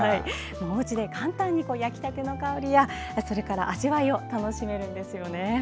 おうちで簡単に焼き立ての香りや味わいを楽しめるんですよね。